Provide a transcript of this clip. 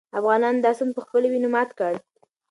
افغانانو دا سند په خپلو وینو سره مات کړ.